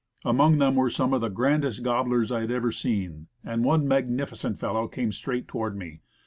Among them were some of the grandest gobblers I had ever seen, and one magnifi cent fellow came straight toward me.